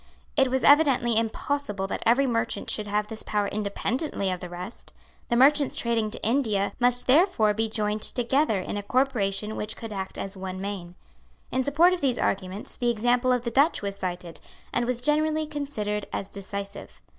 It was evidently impossible that every merchant should have this power independently of the rest. The merchants trading to India must therefore be joined together in a corporation which could act as one man. In support of these arguments the example of the Dutch was cited, and was generally considered as decisive.